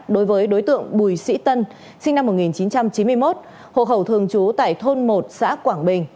đối với đối tượng bùi sĩ tân sinh năm một nghìn chín trăm chín mươi một hộ khẩu thường trú tại thôn một xã quảng bình